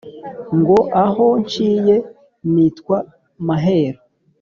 Ngo aho nciye nitwa maheru